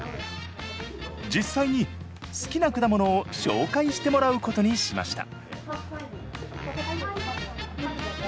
実際に好きな果物を紹介してもらうことにしました。